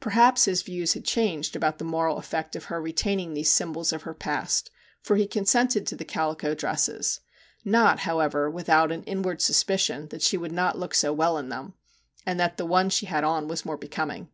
Perhaps his views had changed about the moral effect of her retaining these symbols of her past, for he consented to the calico dresses, not, however, without an inward suspicion that she would not look so well in them, and that the one she had on was more becoming.